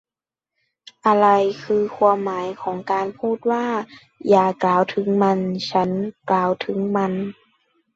อะไรคือความหมายของการพูดว่า อย่ากล่าวถึงมัน ฉันกล่าวถึงมัน